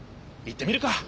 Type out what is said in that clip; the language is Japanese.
行ってみるか。